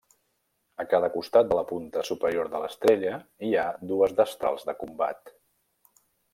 A cada costat de la punta superior de l'estrella hi ha dues destrals de combat.